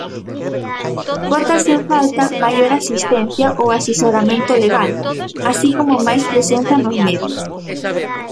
Bótase en falta maior asistencia ou asesoramento legal, así como máis presenza nos medios.